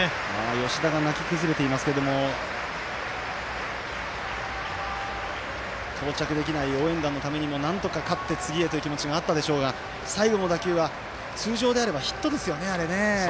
吉田が泣き崩れていますけれども到着できない応援団のためにもなんとか勝って次へという気持ちがあったでしょうが最後の打球は通常であればヒットですよね。